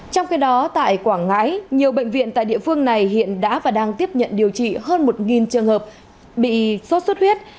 trong khi đó tại quảng ngãi nhiều bệnh viện tại địa phương này hiện đã và đang tiếp nhận điều trị hơn một trường hợp bị sốt xuất huyết